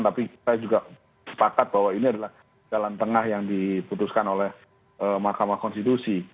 tapi saya juga sepakat bahwa ini adalah jalan tengah yang diputuskan oleh mahkamah konstitusi